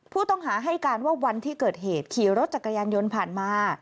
ผู้ต้องหาให้การว่าวันที่เกิดเหตุขี่รถจักรยานยนต์ผ่านมา